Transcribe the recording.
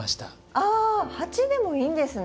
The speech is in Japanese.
あっ鉢でもいいんですね。